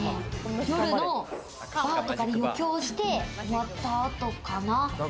夜のバーとかで余興して終わった後かな？